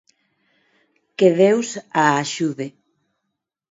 Que deus a axude.